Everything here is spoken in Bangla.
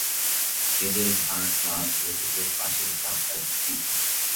এদের ঘাড় কাঁধ ও দেহের পাশের চামড়া স্ফীত।